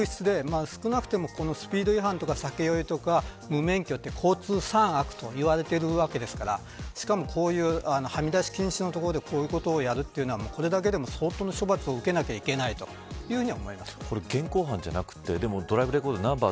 それぐらい悪質で、少なくともこのスピード違反とか酒酔いとか無免許は交通三悪と言われていますからしかも、こういうはみ出し禁止のところでこういうことをやるというのはこれだけでも相当な処罰を受けなければいけないというふうに思います。